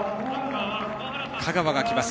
香川が来ます。